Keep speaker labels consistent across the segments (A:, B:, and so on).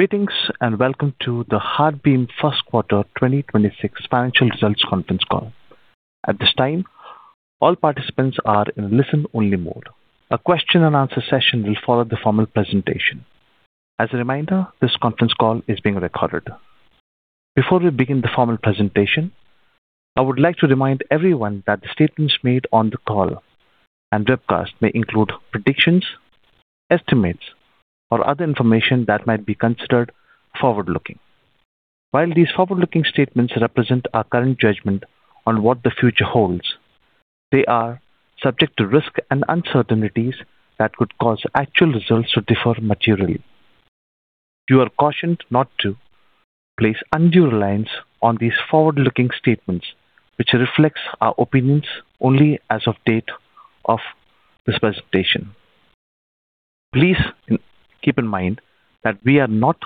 A: Greetings, and welcome to the HeartBeam first quarter 2026 financial results conference call. At this time, all participants are in listen-only mode. A question and answer session will follow the formal presentation. As a reminder, this conference call is being recorded. Before we begin the formal presentation, I would like to remind everyone that the statements made on the call and webcast may include predictions, estimates, or other information that might be considered forward-looking. While these forward-looking statements represent our current judgment on what the future holds, they are subject to risk and uncertainties that could cause actual results to differ materially. You are cautioned not to place undue reliance on these forward-looking statements, which reflects our opinions only as of date of this presentation. Please keep in mind that we are not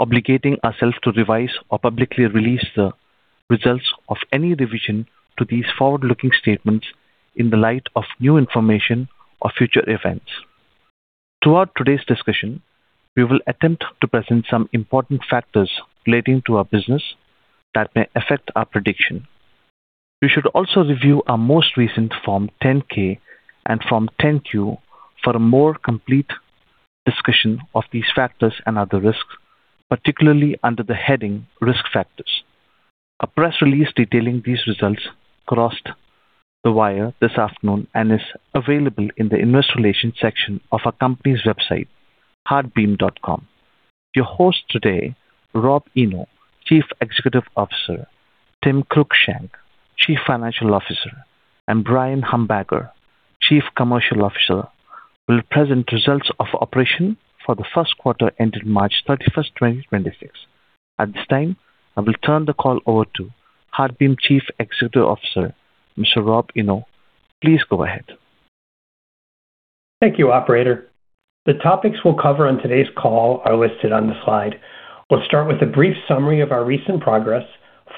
A: obligating ourselves to revise or publicly release the results of any revision to these forward-looking statements in the light of new information or future events. Throughout today's discussion, we will attempt to present some important factors relating to our business that may affect our prediction. You should also review our most recent Form 10-K and Form 10-Q for a more complete discussion of these factors and other risks, particularly under the heading Risk Factors. A press release detailing these results crossed the wire this afternoon and is available in the investor relations section of our company's website, heartbeam.com. Your host today, Rob Eno, Chief Executive Officer, Tim Cruickshank, Chief Financial Officer, and Bryan Humbarger, Chief Commercial Officer, will present results of operation for the first quarter ending March 31st, 2026. At this time, I will turn the call over to HeartBeam Chief Executive Officer, Mr. Rob Eno. Please go ahead.
B: Thank you, operator. The topics we'll cover on today's call are listed on the slide. We'll start with a brief summary of our recent progress,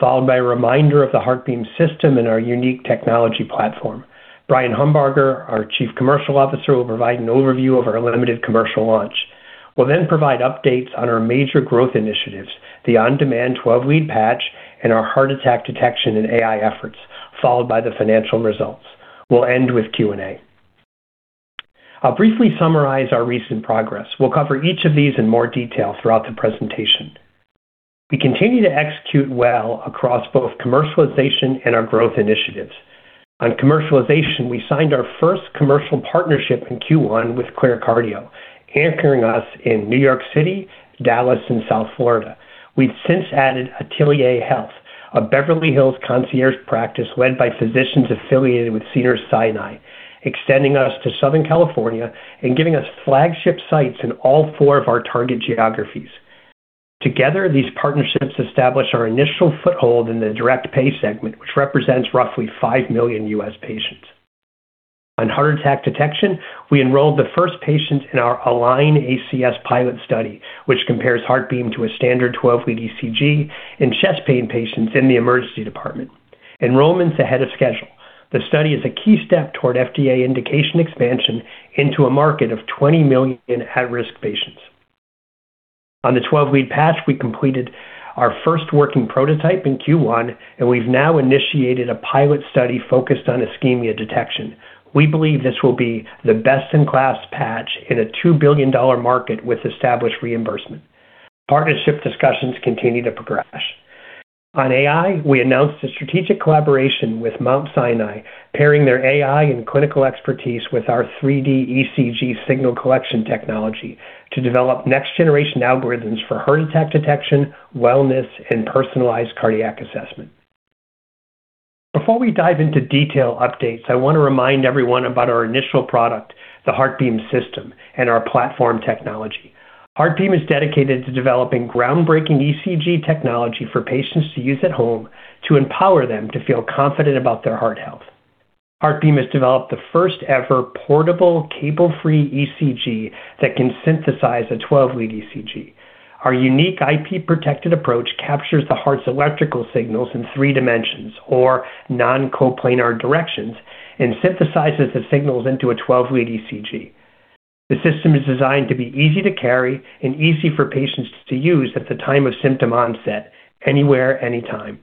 B: followed by a reminder of the HeartBeam System and our unique technology platform. Bryan Humbarger, our Chief Commercial Officer, will provide an overview of our limited commercial launch. We'll then provide updates on our major growth initiatives, the on-demand 12-lead patch and our heart attack detection and AI efforts, followed by the financial results. We'll end with Q&A. I'll briefly summarize our recent progress. We'll cover each of these in more detail throughout the presentation. We continue to execute well across both commercialization and our growth initiatives. On commercialization, we signed our first commercial partnership in Q1 with ClearCardio, anchoring us in New York City, Dallas, and South Florida. We've since added Atelier Health, a Beverly Hills concierge practice led by physicians affiliated with Cedars-Sinai, extending us to Southern California and giving us flagship sites in all four of our target geographies. Together, these partnerships establish our initial foothold in the direct pay segment, which represents roughly 5 million U.S. patients. On heart attack detection, we enrolled the first patient in our ALIGN-ACS pilot study, which compares HeartBeam to a standard 12-lead ECG in chest pain patients in the emergency department. Enrollment's ahead of schedule. The study is a key step toward FDA indication expansion into a market of 20 million in high-risk patients. On the 12-lead patch, we completed our first working prototype in Q1. We've now initiated a pilot study focused on ischemia detection. We believe this will be the best-in-class patch in a $2 billion market with established reimbursement. Partnership discussions continue to progress. On AI, we announced a strategic collaboration with Mount Sinai, pairing their AI and clinical expertise with our 3D ECG signal collection technology to develop next-generation algorithms for heart attack detection, wellness, and personalized cardiac assessment. Before we dive into detail updates, I wanna remind everyone about our initial product, the HeartBeam System, and our platform technology. HeartBeam is dedicated to developing groundbreaking ECG technology for patients to use at home to empower them to feel confident about their heart health. HeartBeam has developed the first-ever portable cable-free ECG that can synthesize a 12-lead ECG. Our unique IP-protected approach captures the heart's electrical signals in three dimensions or non-coplanar directions and synthesizes the signals into a 12-lead ECG. The system is designed to be easy to carry and easy for patients to use at the time of symptom onset anywhere, anytime.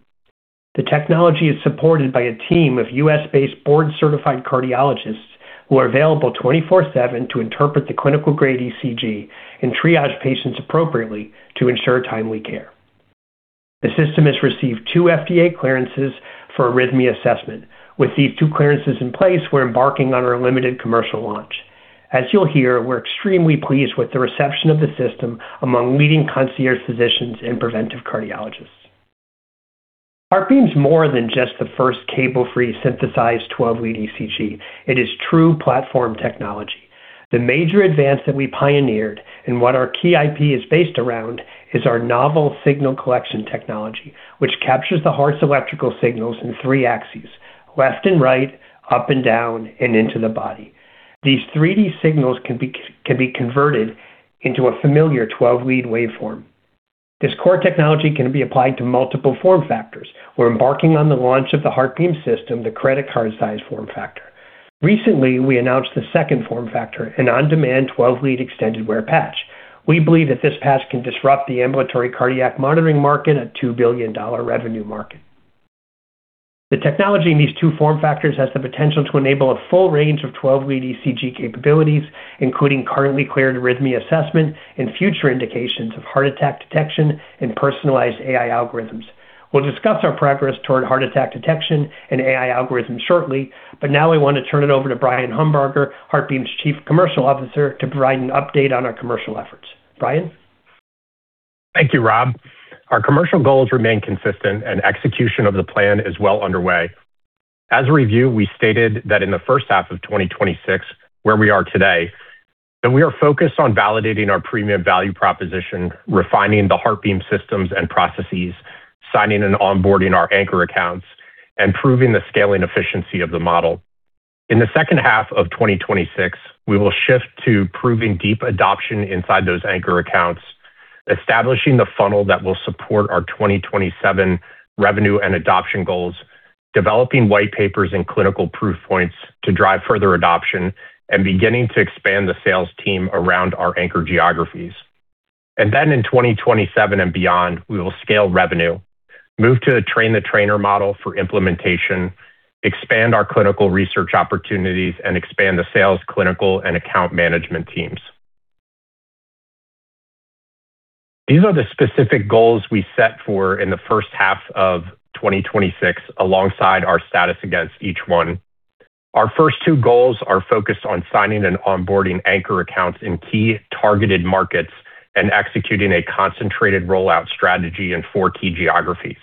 B: The technology is supported by a team of U.S.-based board-certified cardiologists who are available 24/7 to interpret the clinical grade ECG and triage patients appropriately to ensure timely care. The system has received two FDA clearances for arrhythmia assessment. With these two clearances in place, we're embarking on our limited commercial launch. As you'll hear, we're extremely pleased with the reception of the system among leading concierge physicians and preventive cardiologists. HeartBeam's more than just the first cable-free synthesized 12-lead ECG. It is true platform technology. The major advance that we pioneered and what our key IP is based around is our novel signal collection technology, which captures the heart's electrical signals in three axes, left and right, up and down, and into the body. These 3D signals can be converted into a familiar 12-lead waveform. This core technology can be applied to multiple form factors. We're embarking on the launch of the HeartBeam System, the credit card-sized form factor. Recently, we announced the second form factor, an on-demand 12-lead extended wear patch. We believe that this patch can disrupt the ambulatory cardiac monitoring market, a $2 billion revenue market. The technology in these two form factors has the potential to enable a full range of 12-lead ECG capabilities, including currently cleared arrhythmia assessment and future indications of heart attack detection and personalized AI algorithms. We'll discuss our progress toward heart attack detection and AI algorithms shortly. Now I want to turn it over to Bryan Humbarger, HeartBeam's Chief Commercial Officer, to provide an update on our commercial efforts. Bryan?
C: Thank you, Rob. Our commercial goals remain consistent. Execution of the plan is well underway. As a review, we stated that in the first half of 2026, where we are today, that we are focused on validating our premium value proposition, refining the HeartBeam systems and processes, signing and onboarding our anchor accounts, and proving the scaling efficiency of the model. In the second half of 2026, we will shift to proving deep adoption inside those anchor accounts, establishing the funnel that will support our 2027 revenue and adoption goals, developing white papers and clinical proof points to drive further adoption, and beginning to expand the sales team around our anchor geographies. In 2027 and beyond, we will scale revenue, move to a train-the-trainer model for implementation, expand our clinical research opportunities, and expand the sales, clinical, and account management teams. These are the specific goals we set for in the first half of 2026 alongside our status against each one. Our first two goals are focused on signing and onboarding anchor accounts in key targeted markets and executing a concentrated rollout strategy in four key geographies: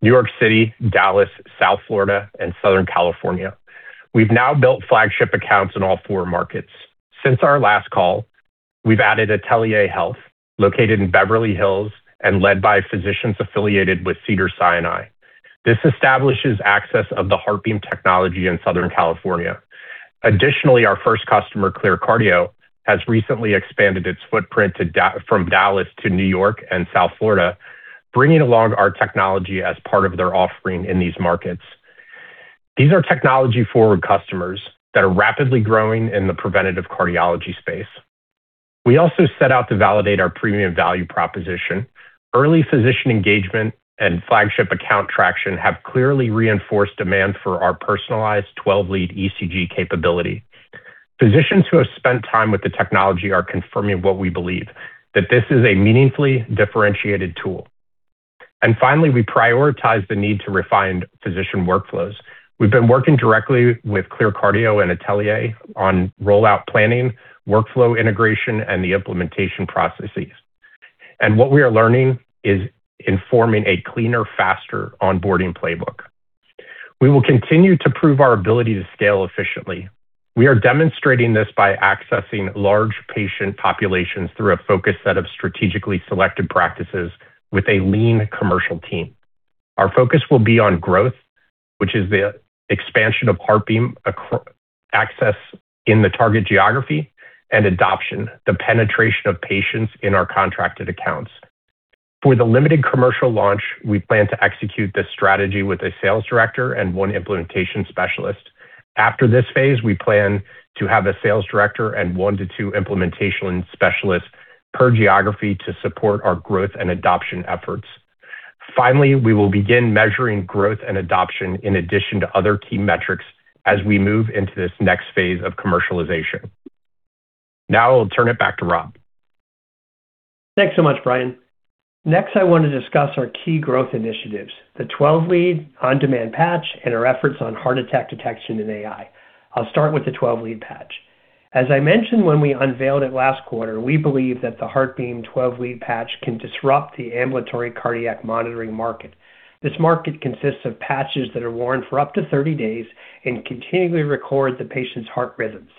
C: New York City, Dallas, South Florida, and Southern California. We've now built flagship accounts in all four markets. Since our last call, we've added Atelier Health, located in Beverly Hills and led by physicians affiliated with Cedars-Sinai. This establishes access of the HeartBeam technology in Southern California. Additionally, our first customer, ClearCardio, has recently expanded its footprint from Dallas to New York and South Florida, bringing along our technology as part of their offering in these markets. These are technology-forward customers that are rapidly growing in the preventative cardiology space. We also set out to validate our premium value proposition. Early physician engagement and flagship account traction have clearly reinforced demand for our personalized 12-lead ECG capability. Physicians who have spent time with the technology are confirming what we believe, that this is a meaningfully differentiated tool. Finally, we prioritize the need to refine physician workflows. We've been working directly with ClearCardio and Atelier on rollout planning, workflow integration, and the implementation processes. What we are learning is informing a cleaner, faster onboarding playbook. We will continue to prove our ability to scale efficiently. We are demonstrating this by accessing large patient populations through a focused set of strategically selected practices with a lean commercial team. Our focus will be on growth, which is the expansion of HeartBeam access in the target geography and adoption, the penetration of patients in our contracted accounts. For the limited commercial launch, we plan to execute this strategy with a sales director and one implementation specialist. After this phase, we plan to have a sales director and one to two implementation specialists per geography to support our growth and adoption efforts. Finally, we will begin measuring growth and adoption in addition to other key metrics as we move into this next phase of commercialization. Now I'll turn it back to Rob.
B: Thanks so much, Bryan. Next, I want to discuss our key growth initiatives, the 12-lead, on-demand patch, and our efforts on heart attack detection and AI. I'll start with the 12-lead patch. As I mentioned when we unveiled it last quarter, we believe that the HeartBeam 12-lead patch can disrupt the ambulatory cardiac monitoring market. This market consists of patches that are worn for up to 30 days and continually record the patient's heart rhythms.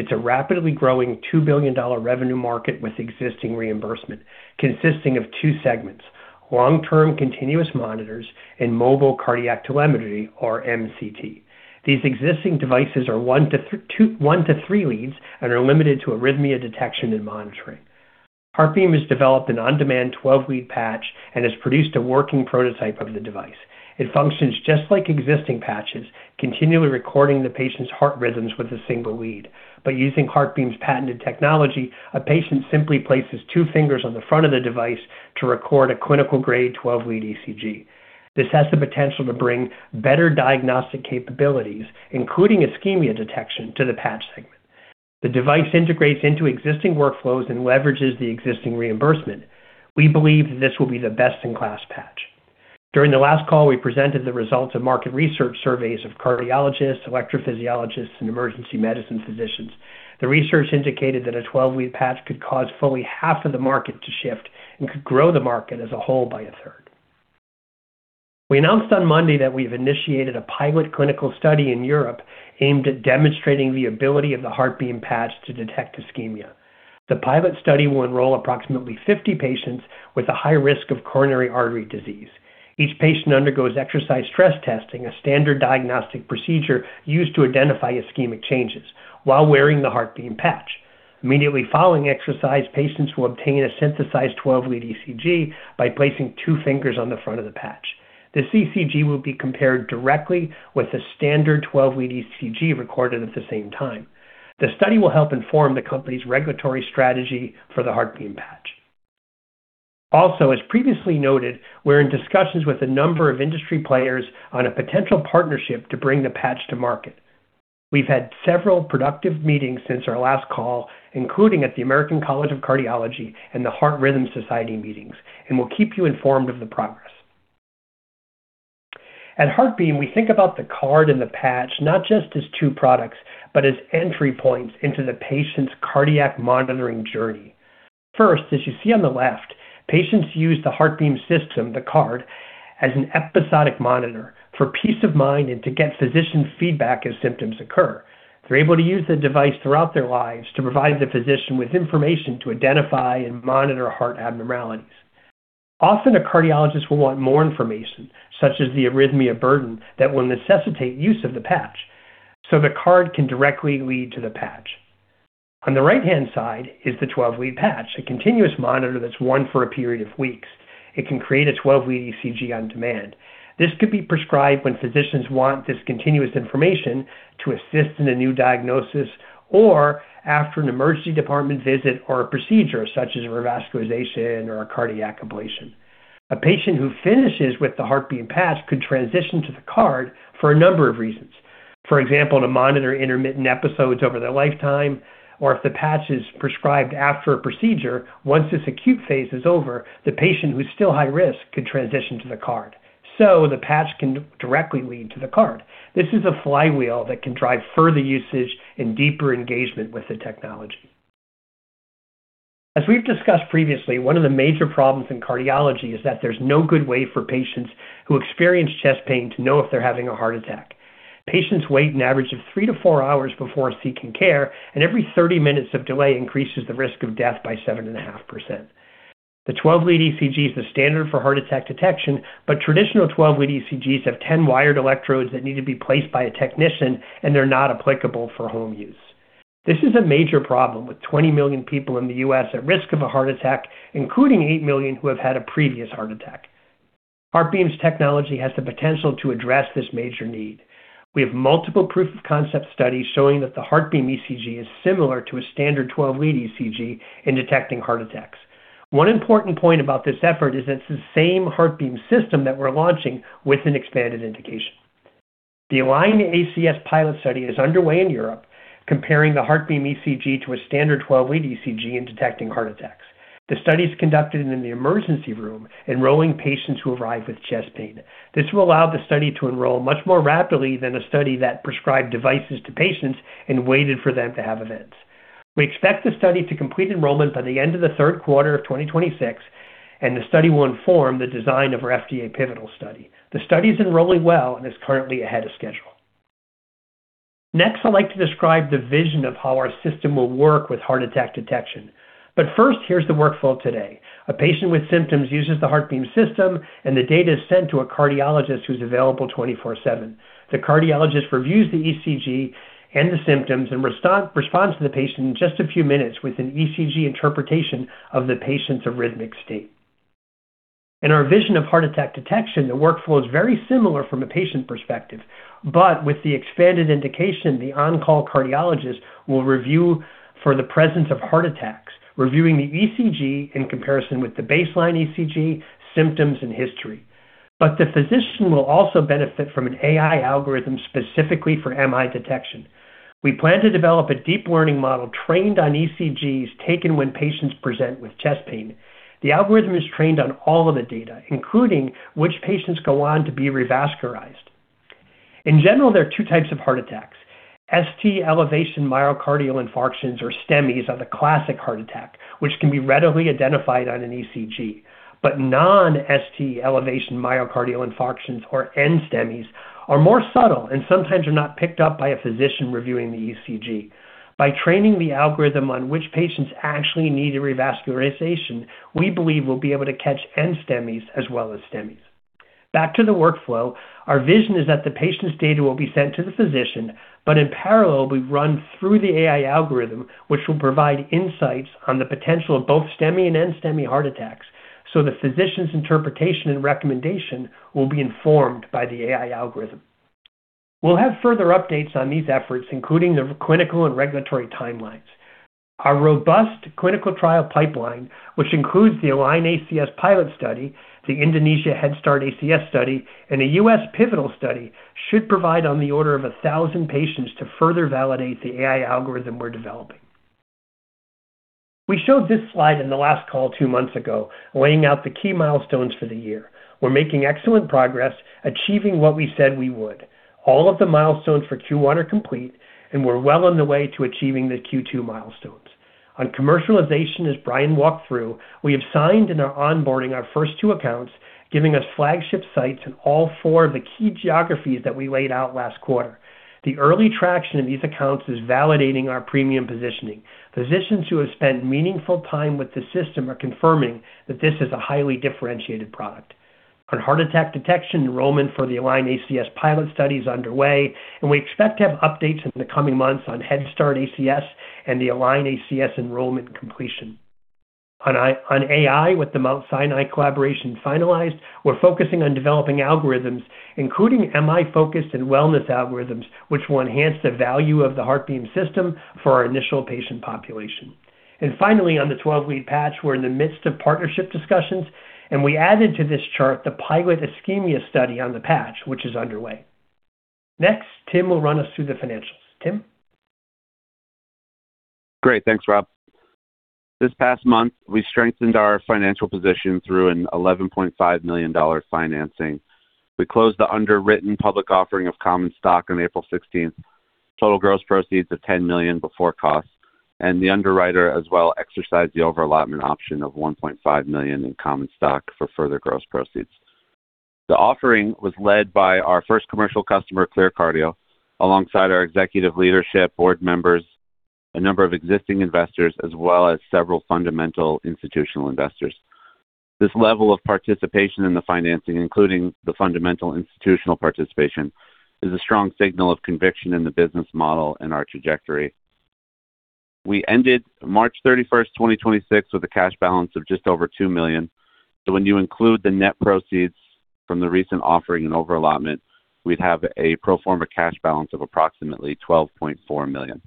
B: It's a rapidly growing $2 billion revenue market with existing reimbursement consisting of two segments: long-term continuous monitors and mobile cardiac telemetry, or MCT. These existing devices are one to three leads and are limited to arrhythmia detection and monitoring. HeartBeam has developed an on-demand 12-lead patch and has produced a working prototype of the device. It functions just like existing patches, continually recording the patient's heart rhythms with a single lead. By using HeartBeam's patented technology, a patient simply places two fingers on the front of the device to record a clinical-grade 12-lead ECG. This has the potential to bring better diagnostic capabilities, including ischemia detection, to the patch segment. The device integrates into existing workflows and leverages the existing reimbursement. We believe this will be the best-in-class patch. During the last call, we presented the results of market research surveys of cardiologists, electrophysiologists, and emergency medicine physicians. The research indicated that a 12-lead patch could cause fully half of the market to shift and could grow the market as a whole by a third. We announced on Monday that we've initiated a pilot clinical study in Europe aimed at demonstrating the ability of the HeartBeam patch to detect ischemia. The pilot study will enroll approximately 50 patients with a high risk of coronary artery disease. Each patient undergoes exercise stress testing, a standard diagnostic procedure used to identify ischemic changes while wearing the HeartBeam patch. Immediately following exercise, patients will obtain a synthesized 12-lead ECG by placing two fingers on the front of the patch. The ECG will be compared directly with the standard 12-lead ECG recorded at the same time. The study will help inform the company's regulatory strategy for the HeartBeam patch. Also, as previously noted, we're in discussions with a number of industry players on a potential partnership to bring the patch to market. We've had several productive meetings since our last call, including at the American College of Cardiology and the Heart Rhythm Society meetings, and we'll keep you informed of the progress. At HeartBeam, we think about the card and the patch not just as two products, but as entry points into the patient's cardiac monitoring journey. First, as you see on the left, patients use the HeartBeam System, the card, as an episodic monitor for peace of mind and to get physician feedback as symptoms occur. They're able to use the device throughout their lives to provide the physician with information to identify and monitor heart abnormalities. Often, a cardiologist will want more information, such as the arrhythmia burden that will necessitate use of the patch, so the card can directly lead to the patch. On the right-hand side is the 12-lead patch, a continuous monitor that's worn for a period of weeks. It can create a 12-lead ECG on demand. This could be prescribed when physicians want this continuous information to assist in a new diagnosis, or after an emergency department visit or a procedure such as revascularization or a cardiac ablation. A patient who finishes with the HeartBeam patch could transition to the card for a number of reasons. For example, to monitor intermittent episodes over their lifetime, or if the patch is prescribed after a procedure, once this acute phase is over, the patient who's still high risk could transition to the card. The patch can directly lead to the card. This is a flywheel that can drive further usage and deeper engagement with the technology. As we've discussed previously, one of the major problems in cardiology is that there's no good way for patients who experience chest pain to know if they're having a heart attack. Patients wait an average of 3-4 hours before seeking care. Every 30 minutes of delay increases the risk of death by 7.5%. The 12-lead ECG is the standard for heart attack detection. Traditional 12-lead ECGs have 10 wired electrodes that need to be placed by a technician. They're not applicable for home use. This is a major problem, with 20 million people in the U.S. at risk of a heart attack, including 8 million who have had a previous heart attack. HeartBeam's technology has the potential to address this major need. We have multiple proof-of-concept studies showing that the HeartBeam ECG is similar to a standard 12-lead ECG in detecting heart attacks. One important point about this effort is it's the same HeartBeam System that we're launching with an expanded indication. The ALIGN-ACS pilot study is underway in Europe, comparing the HeartBeam ECG to a standard 12-lead ECG in detecting heart attacks. The study is conducted in the emergency room, enrolling patients who arrive with chest pain. This will allow the study to enroll much more rapidly than a study that prescribed devices to patients and waited for them to have events. We expect the study to complete enrollment by the end of the third quarter of 2026, and the study will inform the design of our FDA pivotal study. The study is enrolling well and is currently ahead of schedule. Next, I'd like to describe the vision of how our system will work with heart attack detection. First, here's the workflow today. A patient with symptoms uses the HeartBeam System, and the data is sent to a cardiologist who's available 24/7. The cardiologist reviews the ECG and the symptoms and responds to the patient in just a few minutes with an ECG interpretation of the patient's arrhythmic state. Our vision of heart attack detection workflow is very similar from the patient perspective, but with the expanded indication, the on-call cardiologist will review for the presence of heart attacks, reviewing the ECG in comparison with the baseline ECG symptoms and history. The physician will also benefit from an AI algorithm specifically for MI detection. We plan to develop a deep learning model trained on ECGs taken when patients present with chest pain. The algorithm is trained on all of the data, including which patients go on to be revascularized. In general, there are two types of heart attacks. ST elevation myocardial infarctions, or STEMIs, are the classic heart attack, which can be readily identified on an ECG. Non-ST elevation myocardial infarctions, or NSTEMIs, are more subtle and sometimes are not picked up by a physician reviewing the ECG. By training the algorithm on which patients actually need revascularization, we believe we'll be able to catch NSTEMIs as well as STEMIs. Back to the workflow. Our vision is that the patient's data will be sent to the physician, but in parallel, we run through the AI algorithm, which will provide insights on the potential of both STEMI and NSTEMI heart attacks, so the physician's interpretation and recommendation will be informed by the AI algorithm. We'll have further updates on these efforts, including the clinical and regulatory timelines. Our robust clinical trial pipeline, which includes the ALIGN-ACS pilot study, the Indonesia HEADSTART-ACS study, and a U.S. pivotal study, should provide on the order of 1,000 patients to further validate the AI algorithm we're developing. We showed this slide in the last call two months ago, laying out the key milestones for the year. We're making excellent progress achieving what we said we would. All of the milestones for Q1 are complete, and we're well on the way to achieving the Q2 milestones. On commercialization, as Bryan walked through, we have signed and are onboarding our first two accounts, giving us flagship sites in all four of the key geographies that we laid out last quarter. The early traction in these accounts is validating our premium positioning. Physicians who have spent meaningful time with the system are confirming that this is a highly differentiated product. On heart attack detection, enrollment for the ALIGN-ACS pilot study is underway, and we expect to have updates in the coming months on HEADSTART-ACS and the ALIGN-ACS enrollment completion. On AI with the Mount Sinai collaboration finalized, we're focusing on developing algorithms, including MI-focused and wellness algorithms, which will enhance the value of the HeartBeam System for our initial patient population. Finally, on the 12-lead patch, we're in the midst of partnership discussions, and we added to this chart the pilot ischemia study on the patch, which is underway. Next, Tim will run us through the financials. Tim.
D: Great. Thanks, Rob. This past month, we strengthened our financial position through an $11.5 million financing. We closed the underwritten public offering of common stock on April 16th. Total gross proceeds of $10 million before costs, and the underwriter as well exercised the over allotment option of $1.5 million in common stock for further gross proceeds. The offering was led by our first commercial customer, ClearCardio, alongside our executive leadership, board members, a number of existing investors, as well as several fundamental institutional investors. This level of participation in the financing, including the fundamental institutional participation, is a strong signal of conviction in the business model and our trajectory. We ended March 31st 2026 with a cash balance of just over $2 million. When you include the net proceeds from the recent offering and over allotment, we'd have a pro forma cash balance of approximately $12.4 million.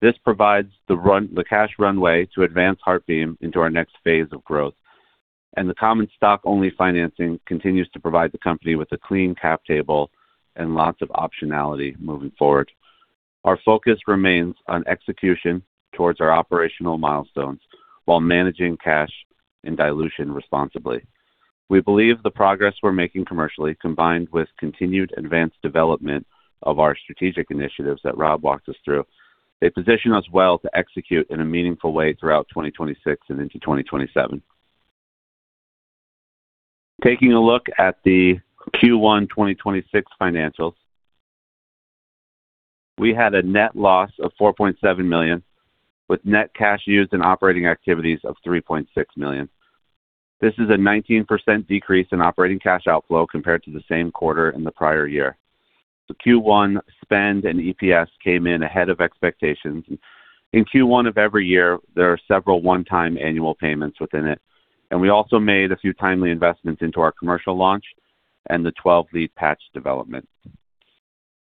D: This provides the cash runway to advance HeartBeam into our next phase of growth. The common stock-only financing continues to provide the company with a clean cap table and lots of optionality moving forward. Our focus remains on execution towards our operational milestones while managing cash and dilution responsibly. We believe the progress we're making commercially, combined with continued advanced development of our strategic initiatives that Rob walked us through, they position us well to execute in a meaningful way throughout 2026 and into 2027. Taking a look at the Q1 2026 financials, we had a net loss of $4.7 million, with net cash used in operating activities of $3.6 million. This is a 19% decrease in operating cash outflow compared to the same quarter in the prior year. The Q1 spend and EPS came in ahead of expectations. In Q1 of every year, there are several one-time annual payments within it, and we also made a few timely investments into our commercial launch and the 12-lead patch development.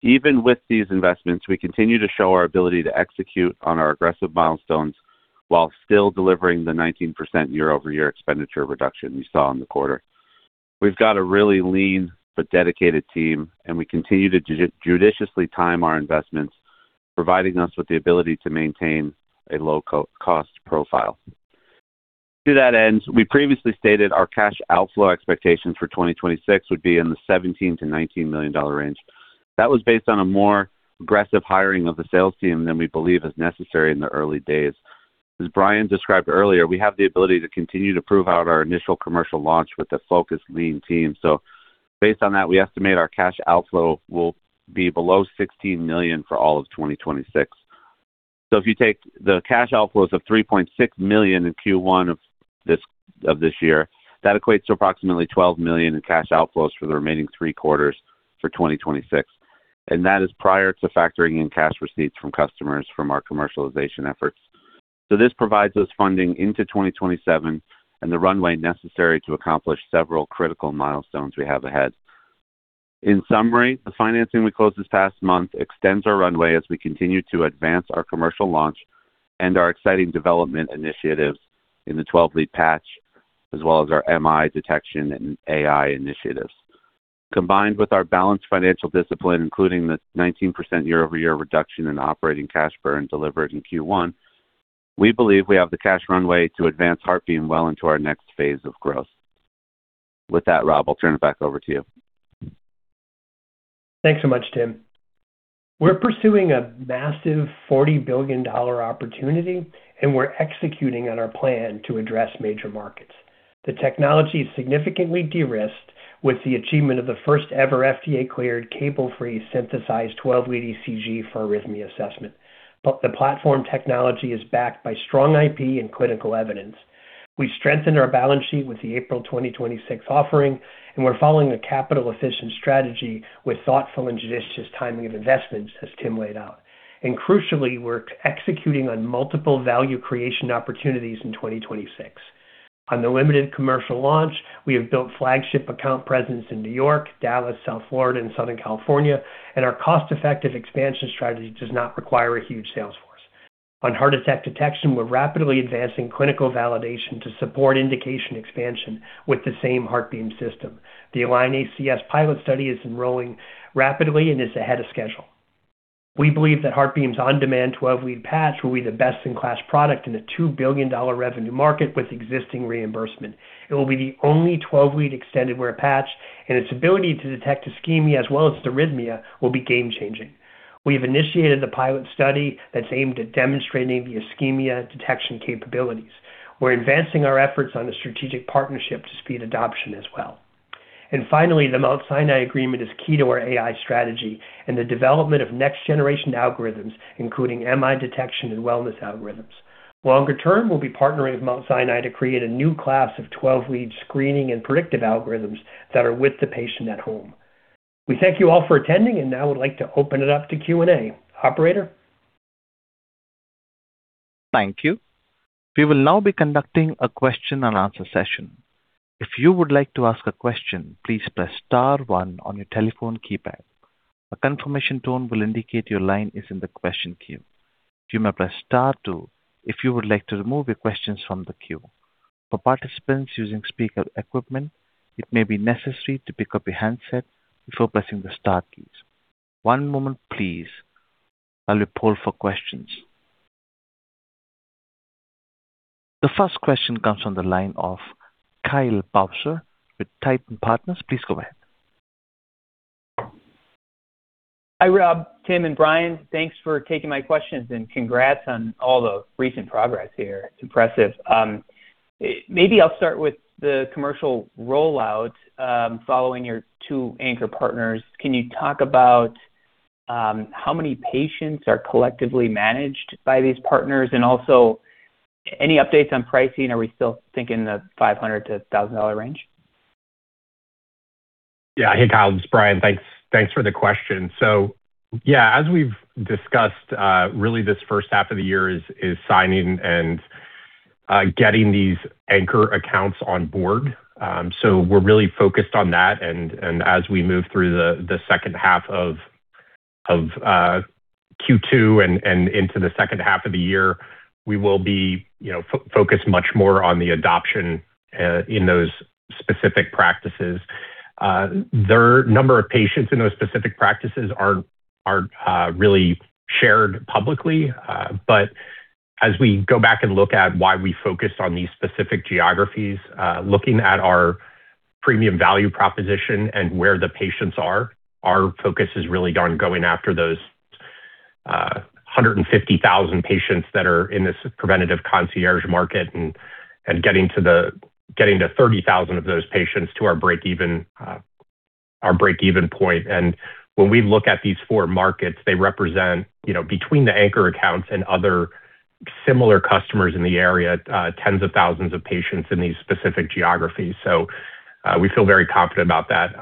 D: Even with these investments, we continue to show our ability to execute on our aggressive milestones while still delivering the 19% year-over-year expenditure reduction you saw in the quarter. We've got a really lean but dedicated team, and we continue to judiciously time our investments, providing us with the ability to maintain a low cost profile. To that end, we previously stated our cash outflow expectations for 2026 would be in the $17 million-$19 million range. That was based on a more aggressive hiring of the sales team than we believe is necessary in the early days. As Bryan described earlier, we have the ability to continue to prove out our initial commercial launch with a focused, lean team. Based on that, we estimate our cash outflow will be below $16 million for all of 2026. If you take the cash outflows of $3.6 million in Q1 of this year, that equates to approximately $12 million in cash outflows for the remaining three quarters for 2026, and that is prior to factoring in cash receipts from customers from our commercialization efforts. This provides us funding into 2027 and the runway necessary to accomplish several critical milestones we have ahead. In summary, the financing we closed this past month extends our runway as we continue to advance our commercial launch, and our exciting development initiatives in the 12-lead patch, as well as our MI detection and AI initiatives. Combined with our balanced financial discipline, including the 19% year-over-year reduction in operating cash burn delivered in Q1, we believe we have the cash runway to advance HeartBeam well into our next phase of growth. With that, Rob, I'll turn it back over to you.
B: Thanks so much, Tim. We're pursuing a massive $40 billion opportunity. We're executing on our plan to address major markets. The technology is significantly de-risked with the achievement of the first-ever FDA-cleared, cable-free, synthesized 12-lead ECG for arrhythmia assessment. The platform technology is backed by strong IP and clinical evidence. We've strengthened our balance sheet with the April 2026 offering. We're following a capital-efficient strategy with thoughtful and judicious timing of investments, as Tim laid out. Crucially, we're executing on multiple value creation opportunities in 2026. On the limited commercial launch, we have built flagship account presence in New York, Dallas, South Florida, and Southern California. Our cost-effective expansion strategy does not require a huge sales force. On heart attack detection, we're rapidly advancing clinical validation to support indication expansion with the same HeartBeam System. The ALIGN-ACS pilot study is enrolling rapidly and is ahead of schedule. We believe that HeartBeam's on-demand 12-lead patch will be the best-in-class product in a $2 billion revenue market with existing reimbursement. It will be the only 12-lead extended wear patch, and its ability to detect ischemia as well as the arrhythmia will be game-changing. We have initiated a pilot study that's aimed at demonstrating the ischemia detection capabilities. We're advancing our efforts on a strategic partnership to speed adoption as well. Finally, the Mount Sinai agreement is key to our AI strategy and the development of next-generation algorithms, including MI detection and wellness algorithms. Longer term, we'll be partnering with Mount Sinai to create a new class of 12-lead screening and predictive algorithms that are with the patient at home. We thank you all for attending, and now I would like to open it up to Q&A. Operator?
A: Thank you. We will now be conducting a question and answer session. If you would like to ask a question, please press star one on your telephone keypad. A confirmation tone will indicate your line is in the question queue. You may press star two if you would like to remove your questions from the queue. For participants using speaker equipment, it may be necessary to pick up your handset before pressing the star keys. One moment please. I'll report for questions. The first question comes from the line of Kyle Bauser with Titan Partners. Please go ahead.
E: Hi, Rob, Tim, and Bryan. Thanks for taking my questions. Congrats on all the recent progress here. It's impressive. Maybe I'll start with the commercial rollout following your two anchor partners. Can you talk about how many patients are collectively managed by these partners? Also, any updates on pricing? Are we still thinking the $500-$1,000 range?
C: Hey, Kyle, this is Bryan. Thanks for the question. As we've discussed, really this first half of the year is signing and getting these anchor accounts on board. We're really focused on that. As we move through the second half of Q2 and into the second half of the year, we will be, you know, focused much more on the adoption in those specific practices. Their number of patients in those specific practices are really shared publicly. As we go back and look at why we focused on these specific geographies, looking at our premium value proposition and where the patients are, our focus has really been on going after those 150,000 patients that are in this preventative concierge market and getting to 30,000 of those patients to our break-even point. When we look at these four markets, they represent, you know, between the anchor accounts and other similar customers in the area, tens of thousands of patients in these specific geographies. We feel very confident about that.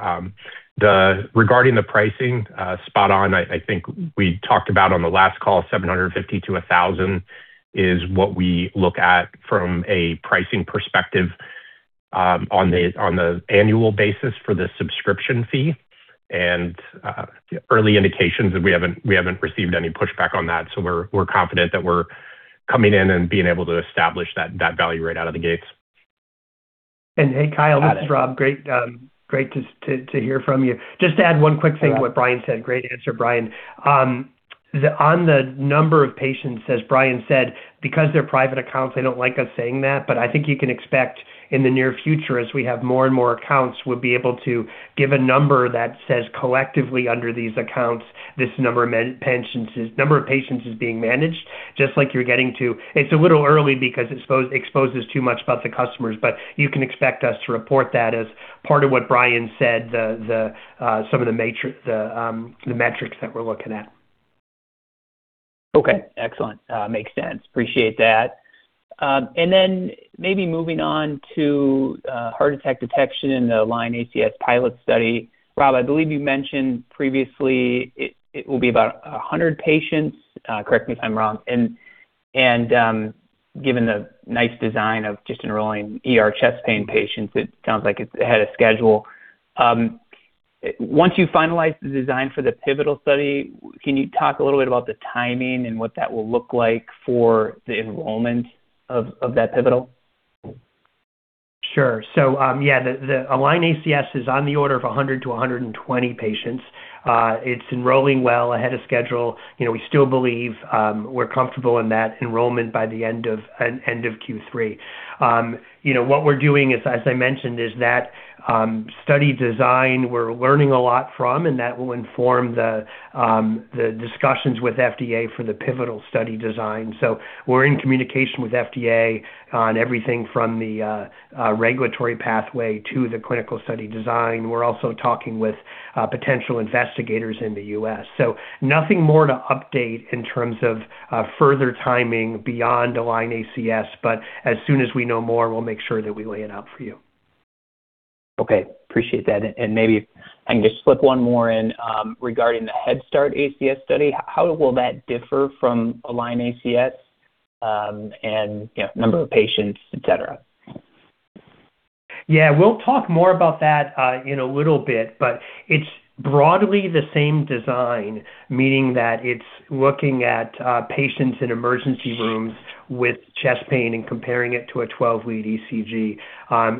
C: Regarding the pricing, spot on. I think we talked about on the last call, $750-$1,000 is what we look at from a pricing perspective on the annual basis for the subscription fee. Early indications that we haven't received any pushback on that. We're confident that we're coming in and being able to establish that value right out of the gates.
B: Hey, Kyle.
E: Got it.
B: This is Rob. Great, great to hear from you. Just to add one quick thing.
E: Yeah.
B: To what Bryan said. Great answer, Bryan. On the number of patients, as Bryan said, because they're private accounts, they don't like us saying that. I think you can expect in the near future, as we have more and more accounts, we'll be able to give a number that says collectively under these accounts, this number of patients is being managed, just like you're getting to. It's a little early because it exposes too much about the customers, you can expect us to report that as part of what Bryan said, the, some of the metrics that we're looking at.
E: Okay. Excellent. Makes sense. Appreciate that. Then maybe moving on to heart attack detection in the ALIGN-ACS pilot study. Rob, I believe you mentioned previously it will be about 100 patients, correct me if I'm wrong. Given the nice design of just enrolling ER chest pain patients, it sounds like it's ahead of schedule. Once you finalize the design for the pivotal study, can you talk a little bit about the timing and what that will look like for the enrollment of that pivotal?
B: Sure. The ALIGN-ACS is on the order of 100-120 patients. It's enrolling well ahead of schedule. You know, we still believe, we're comfortable in that enrollment by the end of Q3. You know, what we're doing is, as I mentioned, is that study design we're learning a lot from, and that will inform the discussions with FDA for the pivotal study design. We're in communication with FDA on everything from the regulatory pathway to the clinical study design. We're also talking with potential investigators in the U.S. Nothing more to update in terms of further timing beyond ALIGN-ACS, but as soon as we know more, we'll make sure that we lay it out for you.
E: Okay. Appreciate that. Maybe I can just slip one more in, regarding the HEADSTART-ACS study. How will that differ from ALIGN-ACS, and yeah, number of patients, et cetera?
B: Yeah, we'll talk more about that in a little bit. It's broadly the same design, meaning that it's looking at patients in emergency rooms with chest pain and comparing it to a 12-lead ECG.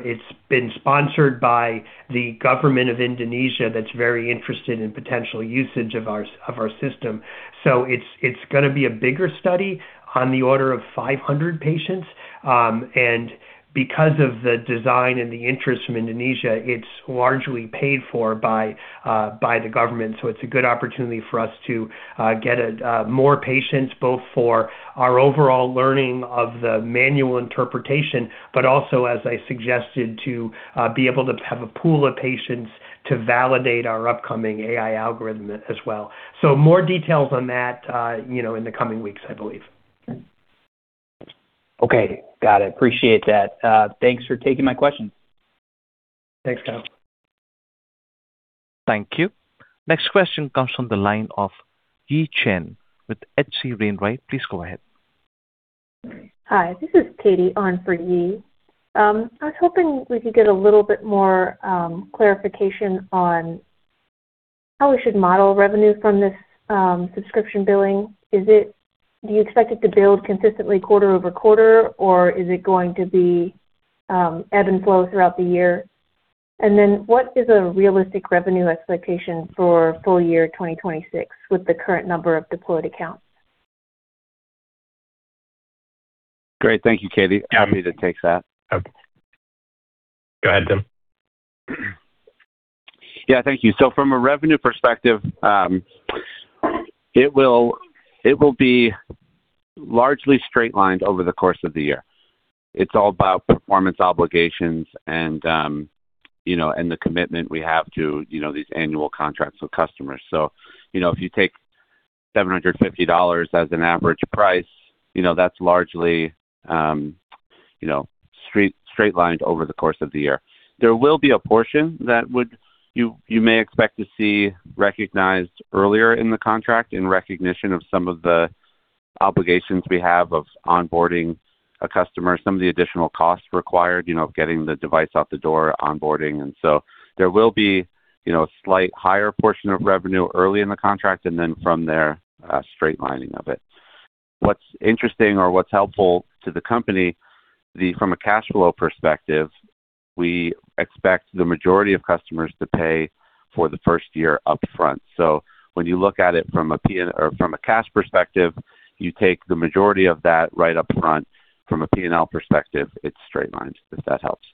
B: It's been sponsored by the government of Indonesia that's very interested in potential usage of our system. It's gonna be a bigger study on the order of 500 patients. Because of the design and the interest from Indonesia, it's largely paid for by the government. It's a good opportunity for us to get more patients both for our overall learning of the manual interpretation, but also, as I suggested, to be able to have a pool of patients to validate our upcoming AI algorithm as well. More details on that, you know, in the coming weeks, I believe.
E: Okay. Got it. Appreciate that. Thanks for taking my question.
C: Thanks, Kyle.
A: Thank you. Next question comes from the line of Yi Chen with H.C. Wainwright. Please go ahead.
F: Hi, this is Katie on for Yi. I was hoping we could get a little bit more clarification on how we should model revenue from this subscription billing. Do you expect it to build consistently quarter-over-quarter, or is it going to be ebb and flow throughout the year? Then what is a realistic revenue expectation for full year 2026 with the current number of deployed accounts?
D: Great. Thank you, Katie. Happy to take that.
C: Go ahead, Tim.
D: Yeah. Thank you. From a revenue perspective, it will be largely straight-lined over the course of the year. It's all about performance obligations and, you know, and the commitment we have to, you know, these annual contracts with customers. You know, if you take $750 as an average price, you know, that's largely, you know, straight-lined over the course of the year. There will be a portion that you may expect to see recognized earlier in the contract in recognition of some of the obligations we have of onboarding a customer, some of the additional costs required, you know, of getting the device out the door, onboarding. There will be, you know, a slight higher portion of revenue early in the contract, and then from there, straight-lining of it. What's interesting or what's helpful to the company, from a cash flow perspective, we expect the majority of customers to pay for the first year up front. When you look at it from a cash perspective, you take the majority of that right up front. From a P&L perspective, it's straight lined, if that helps.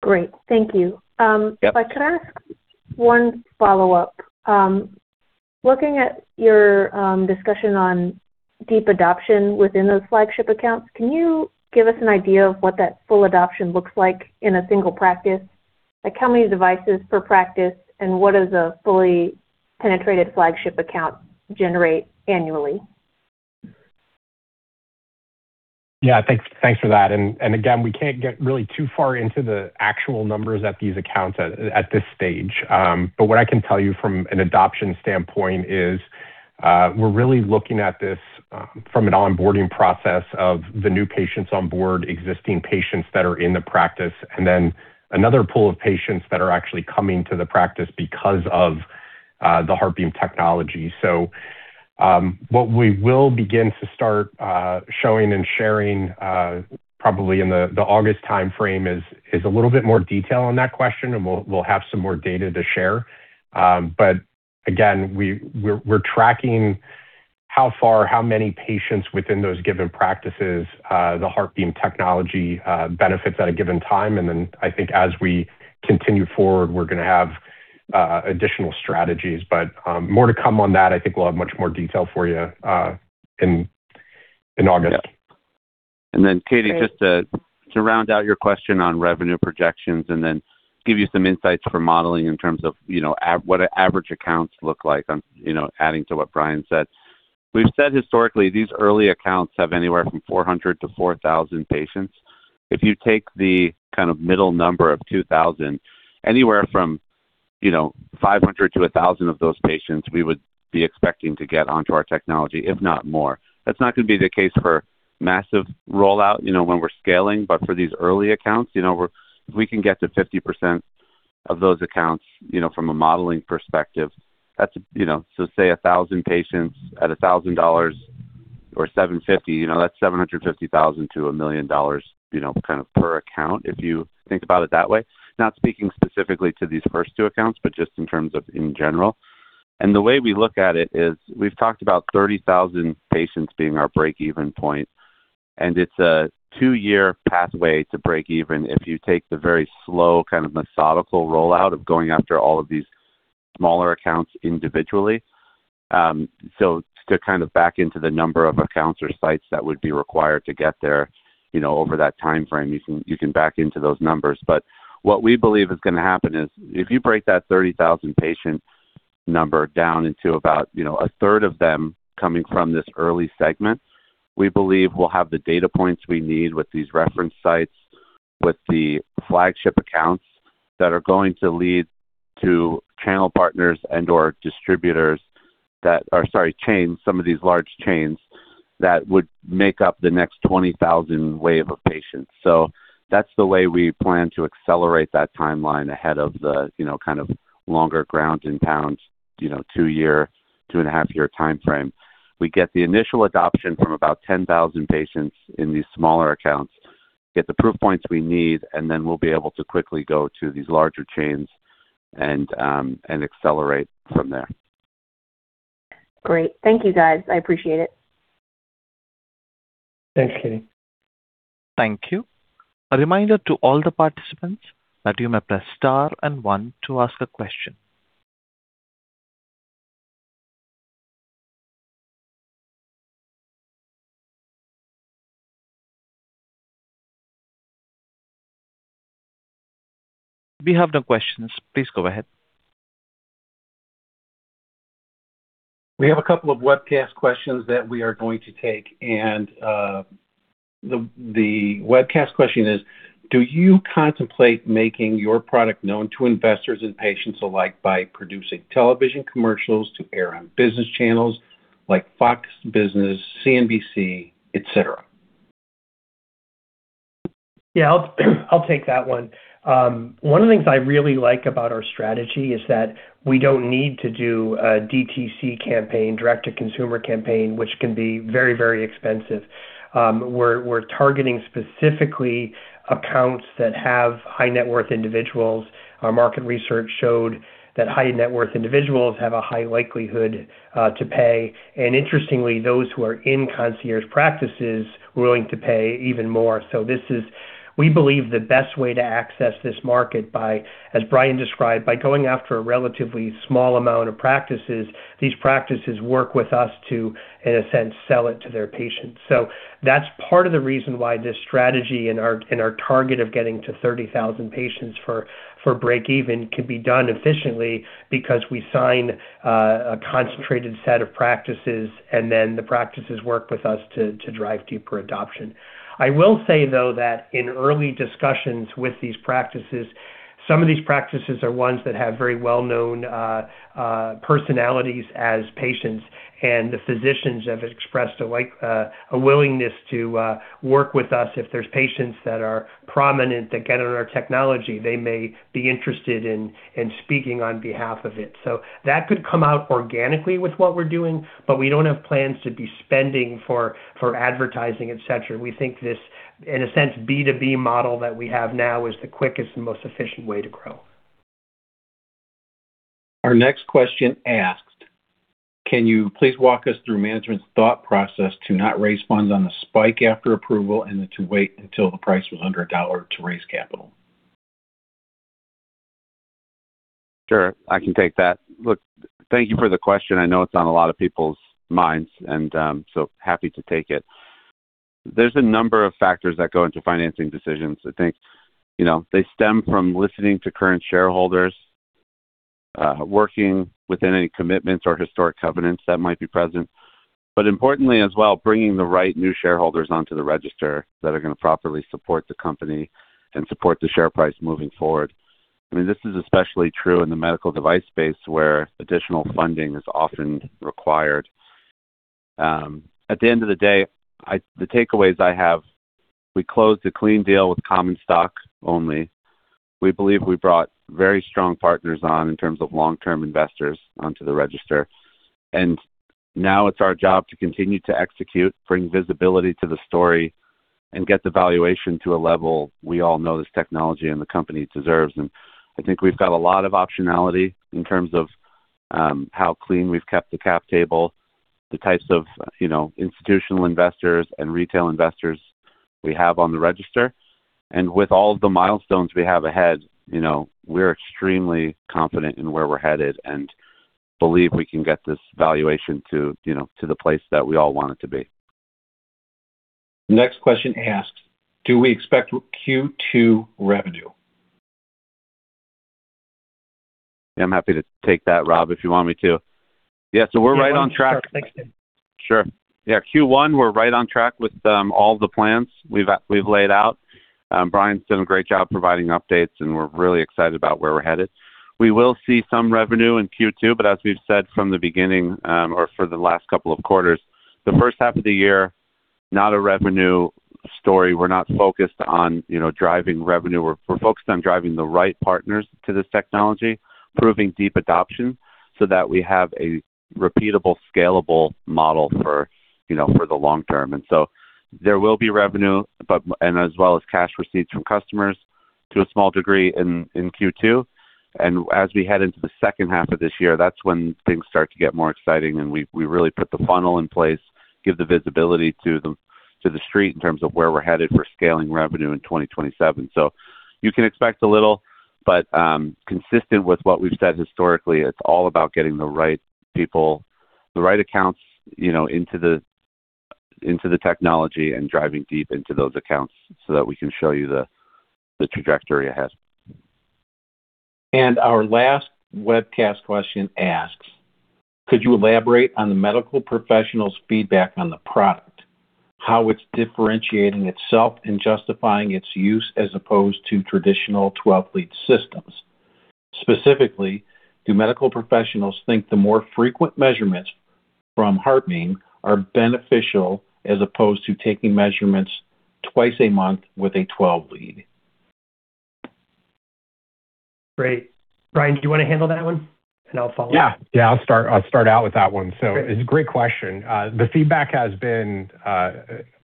F: Great. Thank you.
D: Yep.
F: Could I ask one follow-up? Looking at your discussion on deep adoption within those flagship accounts, can you give us an idea of what that full adoption looks like in a single practice? Like, how many devices per practice, and what does a fully penetrated flagship account generate annually?
C: Yeah. Thanks, thanks for that. Again, we can't get really too far into the actual numbers at these accounts at this stage. What I can tell you from an adoption standpoint is, we're really looking at this from an onboarding process of the new patients onboard, existing patients that are in the practice, and then another pool of patients that are actually coming to the practice because of the HeartBeam technology. What we will begin to start showing and sharing, probably in the August timeframe is a little bit more detail on that question, and we'll have some more data to share. Again, we're tracking how far, how many patients within those given practices, the HeartBeam technology benefits at a given time. I think as we continue forward, we're going to have additional strategies. More to come on that. I think we'll have much more detail for you in August.
D: Katie, just to round out your question on revenue projections and then give you some insights for modeling in terms of, you know, what our average accounts look like, I'm, you know, adding to what Bryan said. We've said historically these early accounts have anywhere from 400 to 4,000 patients. If you take the kind of middle number of 2,000, anywhere from, you know, 500 to 1,000 of those patients we would be expecting to get onto our technology, if not more. That's not gonna be the case for massive rollout, you know, when we're scaling. For these early accounts, you know, if we can get to 50% of those accounts, you know, from a modeling perspective, that's, you know, say 1,000 patients at $1,000 or $750, you know, that's $750,000 to $1 million, you know, kind of per account if you think about it that way. Not speaking specifically to these first two accounts, but just in terms of in general. The way we look at it is we've talked about 30,000 patients being our break-even point, and it's a two-year pathway to break even if you take the very slow, kind of methodical rollout of going after all of these smaller accounts individually. To kind of back into the number of accounts or sites that would be required to get there, you know, over that timeframe, you can back into those numbers. What we believe is gonna happen is if you break that 30,000 patient number down into about, you know, 1/3 of them coming from this early segment, we believe we'll have the data points we need with these reference sites, with the flagship accounts that are going to lead to channel partners and/or distributors that are chains, some of these large chains that would make up the next 20,000 wave of patients. That's the way we plan to accelerate that timeline ahead of the, you know, kind of longer ground and pound, you know, two year, 2.5-year timeframe. We get the initial adoption from about 10,000 patients in these smaller accounts, get the proof points we need, and then we'll be able to quickly go to these larger chains and accelerate from there.
F: Great. Thank you guys. I appreciate it.
C: Thanks, Katie.
A: Thank you. A reminder to all the participants that you may press star and one to ask a question. We have no questions. Please go ahead.
G: We have a couple of webcast questions that we are going to take and the webcast question is, do you contemplate making your product known to investors and patients alike by producing television commercials to air on business channels like Fox Business, CNBC, et cetera?
B: Yeah, I'll take that one. One of the things I really like about our strategy is that we don't need to do a DTC campaign, direct-to-consumer campaign, which can be very, very expensive. We're targeting specifically accounts that have high net worth individuals. Our market research showed that high net worth individuals have a high likelihood to pay. Interestingly, those who are in concierge practices were willing to pay even more. This is, we believe, the best way to access this market by, as Bryan described, by going after a relatively small amount of practices. These practices work with us to, in a sense, sell it to their patients. That's part of the reason why this strategy and our target of getting to 30,000 patients for breakeven can be done efficiently because we sign a concentrated set of practices and then the practices work with us to drive deeper adoption. I will say, though, that in early discussions with these practices, some of these practices are ones that have very well-known personalities as patients, and the physicians have expressed a like a willingness to work with us if there's patients that are prominent that get on our technology. They may be interested in speaking on behalf of it. That could come out organically with what we're doing, but we don't have plans to be spending for advertising, et cetera. We think this, in a sense, B2B model that we have now is the quickest and most efficient way to grow.
G: Our next question asks, can you please walk us through management's thought process to not raise funds on the spike after approval and then to wait until the price was [$100] to raise capital?
D: Sure, I can take that. Thank you for the question. I know it's on a lot of people's minds and so happy to take it. There's a number of factors that go into financing decisions. I think, you know, they stem from listening to current shareholders, working within any commitments or historic covenants that might be present, but importantly as well, bringing the right new shareholders onto the register that are gonna properly support the company and support the share price moving forward. I mean, this is especially true in the medical device space where additional funding is often required. At the end of the day, the takeaways I have, we closed a clean deal with common stock only. We believe we brought very strong partners on in terms of long-term investors onto the register, and now it's our job to continue to execute, bring visibility to the story, and get the valuation to a level we all know this technology and the company deserves. I think we've got a lot of optionality in terms of how clean we've kept the cap table, the types of, you know, institutional investors and retail investors we have on the register. With all the milestones we have ahead, you know, we're extremely confident in where we're headed and believe we can get this valuation to, you know, to the place that we all want it to be.
G: Next question asks, do we expect Q2 revenue?
D: Yeah, I'm happy to take that, Rob, if you want me to. Yeah. We're right on track.
B: Yeah.
D: Sure. Yeah. Q1, we're right on track with all the plans we've laid out. Bryan's done a great job providing updates, we're really excited about where we're headed. We will see some revenue in Q2, as we've said from the beginning, or for the last couple of quarters, the first half of the year, not a revenue story. We're not focused on, you know, driving revenue. We're focused on driving the right partners to this technology, proving deep adoption so that we have a repeatable, scalable model for, you know, for the long term. There will be revenue, as well as cash receipts from customers to a small degree in Q2. As we head into the second half of this year, that's when things start to get more exciting and we really put the funnel in place, give the visibility to the street in terms of where we're headed for scaling revenue in 2027. You can expect a little, but consistent with what we've said historically, it's all about getting the right people, the right accounts, you know, into the technology and driving deep into those accounts so that we can show you the trajectory ahead.
G: Our last webcast question asks, could you elaborate on the medical professionals' feedback on the product, how it's differentiating itself and justifying its use as opposed to traditional 12-lead systems? Specifically, do medical professionals think the more frequent measurements from HeartBeam are beneficial as opposed to taking measurements twice a month with a 12-lead?
B: Great. Bryan, do you wanna handle that one? I'll follow up.
C: Yeah, I'll start out with that one.
B: Great.
C: It's a great question. The feedback has been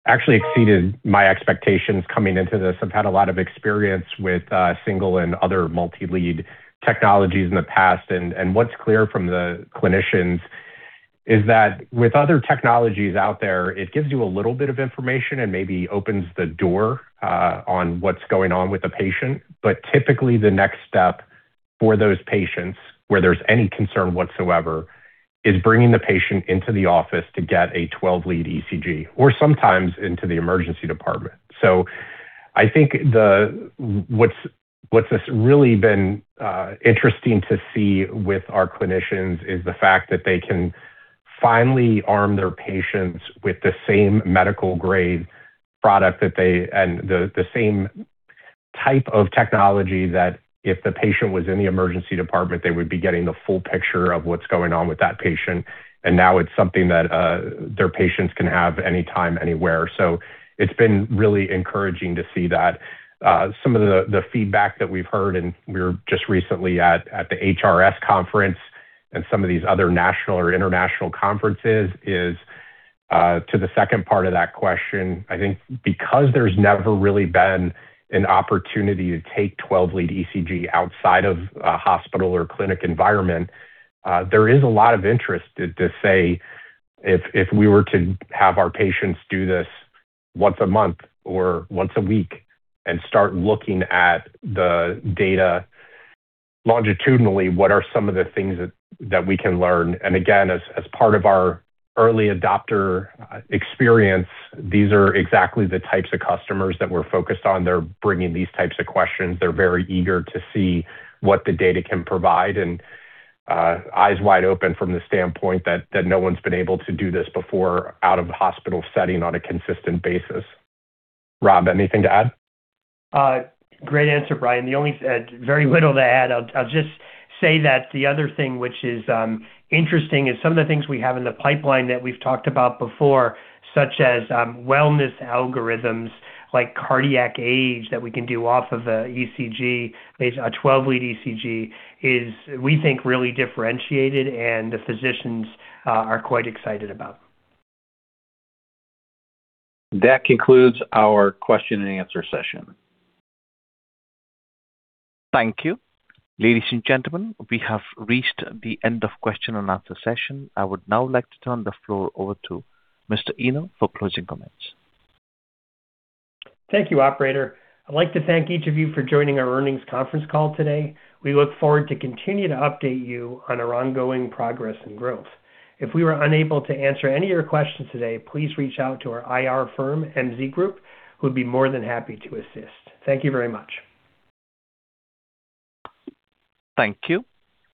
C: actually exceeded my expectations coming into this. I've had a lot of experience with single and other multi-lead technologies in the past. What's clear from the clinicians is that with other technologies out there, it gives you a little bit of information and maybe opens the door on what's going on with the patient. Typically, the next step for those patients where there's any concern whatsoever is bringing the patient into the office to get a 12-lead ECG or sometimes into the emergency department. I think what's really been interesting to see with our clinicians is the fact that they can finally arm their patients with the same medical-grade product that they and the same type of technology that if the patient was in the emergency department, they would be getting the full picture of what's going on with that patient. Now it's something that their patients can have anytime, anywhere. It's been really encouraging to see that. Some of the feedback that we've heard, and we were just recently at the HRS conference and some of these other national or international conferences, is to the second part of that question. I think because there's never really been an opportunity to take 12-lead ECG outside of a hospital or clinic environment, there is a lot of interest to say if we were to have our patients do this once a month or once a week and start looking at the data longitudinally, what are some of the things that we can learn? Again, as part of our early adopter experience, these are exactly the types of customers that we're focused on. They're bringing these types of questions. They're very eager to see what the data can provide and eyes wide open from the standpoint that no one's been able to do this before out of the hospital setting on a consistent basis. Rob, anything to add?
B: Great answer, Bryan. The only, very little to add. I'll just say that the other thing which is interesting is some of the things we have in the pipeline that we've talked about before, such as wellness algorithms like cardiac age that we can do off of a ECG, a 12-lead ECG, is we think really differentiated and the physicians are quite excited about.
G: That concludes our question and answer session.
A: Thank you. Ladies and gentlemen, we have reached the end of question and answer session. I would now like to turn the floor over to Mr. Eno for closing comments.
B: Thank you, operator. I'd like to thank each of you for joining our earnings conference call today. We look forward to continuing to update you on our ongoing progress and growth. If we were unable to answer any of your questions today, please reach out to our IR firm, MZ Group, who would be more than happy to assist. Thank you very much.
A: Thank you.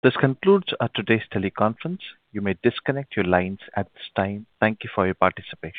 A: This concludes today's teleconference. You may disconnect your lines at this time. Thank you for your participation.